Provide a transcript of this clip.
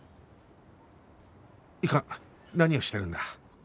いかん何をしてるんだ